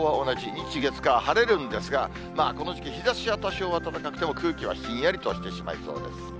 日、月、火、晴れるんですが、この時期、日ざし多少暖かくても、空気はひんやりとしてしまいそうですね。